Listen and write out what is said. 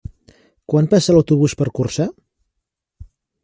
Quan passa l'autobús per Corçà?